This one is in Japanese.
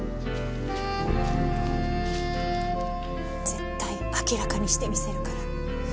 絶対明らかにしてみせるから。